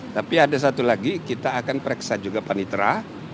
tapi ada satu lagi kita akan periksa juga panitera